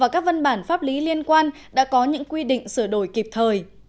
các văn bản pháp lý liên quan đã có những quy định sửa đổi kịp thời